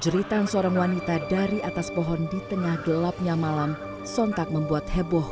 jeritan seorang wanita dari atas pohon di tengah gelapnya malam sontak membuat heboh